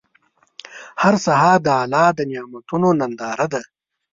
هر سهار د الله د نعمتونو ننداره ده.